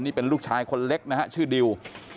นี่เป็นลูกชายคนเล็กนะฮะชื่อดิว